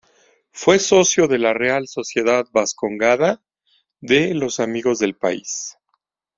Fue socio de la Real Sociedad Bascongada de los Amigos del País.